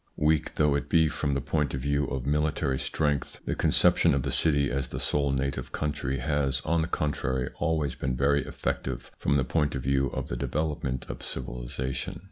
Weak though it be from the point of view of military strength, the conception of the city as the sole native country has, on the contrary, always been very effective from the point of view of the develop ment of civilisation.